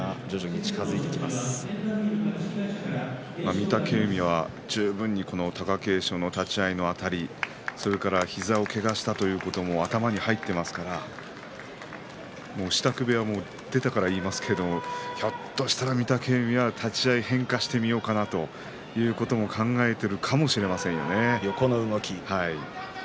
御嶽海は十分に貴景勝の立ち合いのあたりそれから膝をけがしたということも頭に入っていますから支度部屋出ていますから言いますけれどもひょっとしたら御嶽海立ち合い変化してみようかなということを考えているかもしれません。